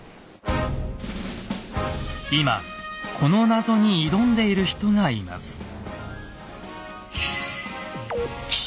今この謎に挑んでいる人がいます。